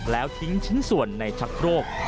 แล้วทิ้งชิ้นส่วนในชักโครก